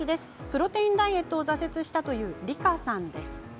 プロテインダイエットを挫折したりかさんです。